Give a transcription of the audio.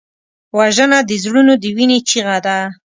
وژنه د زړونو د وینې چیغه ده